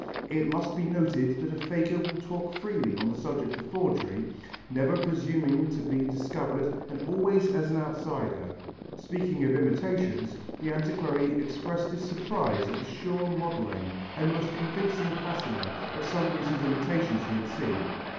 It must be noted that a faker will talk freely on the subject of forgery, never presuming to be discovered and always as an outsider. Speaking of imitations, the antiquary expressed his surprise at the sure modelling and most convincing patina of some recent imitations he had seen.